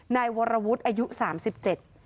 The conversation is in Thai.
นายโวระวุธอายุ๓๗ประเมิด